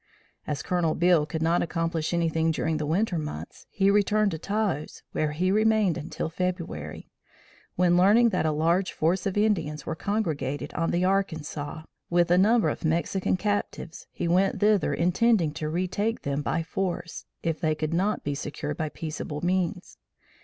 As Colonel Beale could not accomplish anything during the winter months, he returned to Taos, where he remained until February, when, learning that a large force of Indians were congregated on the Arkansas, with a number of Mexican captives, he went thither intending to retake them by force, if they could not be secured by peaceable means.